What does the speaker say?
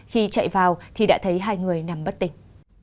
khi chạy vào thì đã thấy hai người nằm bất tỉnh